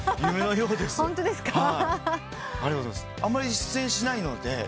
あんまり出演しないので。